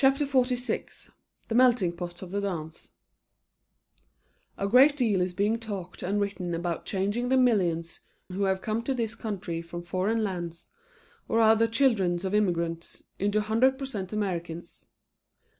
[Illustration: NW] THE MELTING POT OF THE DANCE A great deal is being talked and written about changing the millions who have come to this country from foreign lands, or are the children of immigrants, into 100 per cent Americans.